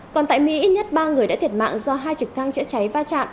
còn tại mỹ ít nhất ba người đã thiệt mạng do hai trực thăng chữa cháy va chạm